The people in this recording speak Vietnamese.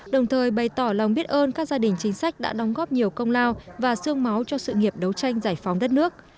đồng thời bày tỏ lòng biết ơn các gia đình chính sách đã đóng góp nhiều công lao và sương máu cho sự nghiệp đấu tranh giải phóng đất nước